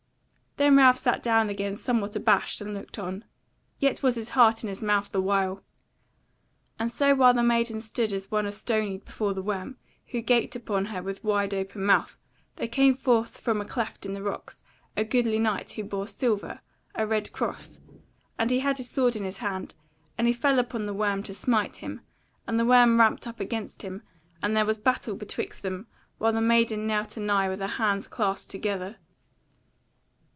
Then Ralph sat down again somewhat abashed and looked on; yet was his heart in his mouth the while. And so while the maiden stood as one astonied before the worm, who gaped upon her with wide open mouth, there came forth from a cleft in the rocks a goodly knight who bore silver, a red cross; and he had his sword in his hand, and he fell upon the worm to smite him; and the worm ramped up against him, and there was battle betwixt them, while the maiden knelt anigh with her hands clasped together.